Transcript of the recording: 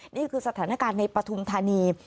นี่คือสถานการณ์ในประธุมธนีย์